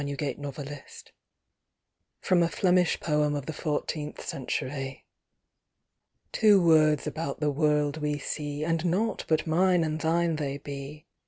MINE AND THINE FROM A FLEMISH POEM OF THE FOURTEENTH CENTURY Two words about the world we see, And nought but Mine and Thine they be.